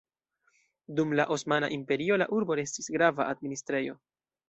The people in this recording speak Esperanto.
Dum la Osmana Imperio la urbo restis grava administrejo.